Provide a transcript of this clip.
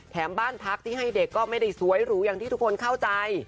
บ้านพักที่ให้เด็กก็ไม่ได้สวยหรูอย่างที่ทุกคนเข้าใจ